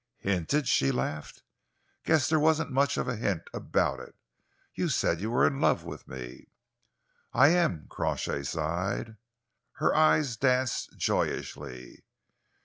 "Hinted?" she laughed. "Guess there wasn't much hint about it. You said you were in love with me." "I am," Crawshay sighed. Her eyes danced joyously.